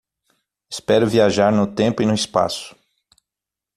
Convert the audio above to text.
Espero viajar no tempo e no espaço